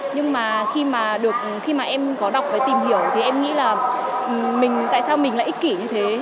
nhưng mà khi mà em có đọc và tìm hiểu thì em nghĩ là tại sao mình lại ích kỷ như thế